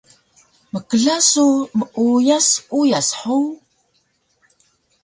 Mkla su meuyas uyas hug?